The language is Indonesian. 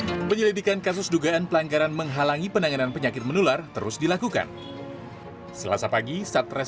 bila dinyatakan lengkap kasus ini akan naik status menjadi penyidikan dengan penetapan tersangka pada senin depan